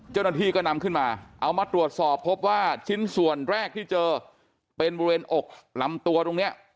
เจ้าหน้าที่ก็นำขึ้นมาเอามาตรวจสอบพบว่าชิ้นส่วนแรกที่เจอเป็นบริเวณอกลำตัวตรงนี้